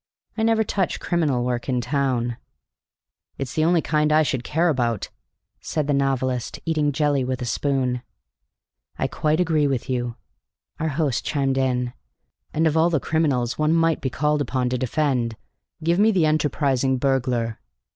I never touch criminal work in town." "It's the only kind I should care about," said the novelist, eating jelly with a spoon. "I quite agree with you," our host chimed in. "And of all the criminals one might be called upon to defend, give me the enterprising burglar."